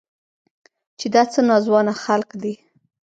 چې دا څه ناځوانه خلق دي.